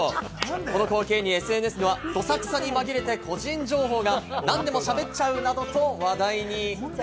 この光景にＳＮＳではどさくさに紛れて個人情報が何でも、しゃべっちゃうなどと話題に。